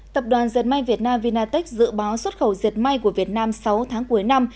tập đoàn dệt may việt nam vinatech dự báo xuất khẩu dệt may của việt nam sáu tháng cuối năm